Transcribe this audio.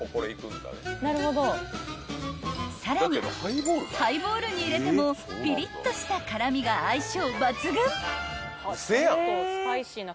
［さらにハイボールに入れてもピリッとした辛味が相性抜群］